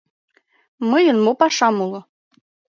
Мыйын мо пашам уло...